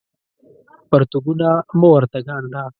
پرتوګونه مه ورته ګاڼډه